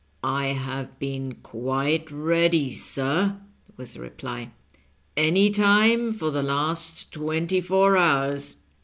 " I have been quite ready, sir," was the reply, " any time for the last twenty four hours."